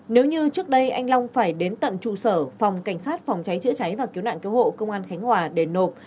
nếu như trước đây anh long phải đến tận trụ sở phòng cảnh sát phòng cháy chữa cháy và cứu nạn cứu hộ công an khánh hòa để nộp